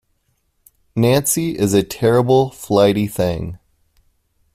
Nancy is a terrible flighty thing.